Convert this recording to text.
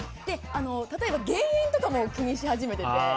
例えば減塩とかも気にし始めてて。